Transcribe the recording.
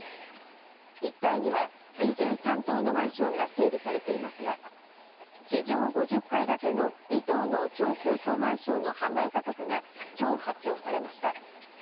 一帯には２３棟のマンションが整備されていますが地上５０階建ての２棟の超高層マンションの販売価格がきょう発表されました。